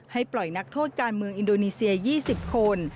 ปล่อยนักโทษการเมืองอินโดนีเซีย๒๐คน